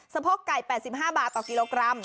โพกไก่๘๕บาทต่อกิโลกรัม